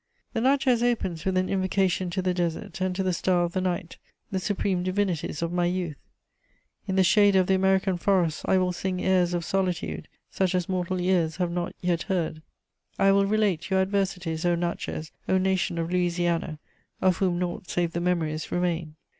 [Sidenote: The Natchez.] The Natchez opens with an invocation to the desert and to the star of the night, the supreme divinities of my youth: "In the shade of the American forests I will sing airs of solitude such as mortal ears have not yet heard; I will relate your adversities, O Natchez, O nation of Louisiana, of whom naught save the memories remain!